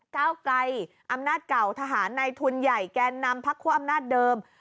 ก้าวไกลอำนาจเก่าทหารในทุนใหญ่แกนนำพักคั่วอำนาจเดิม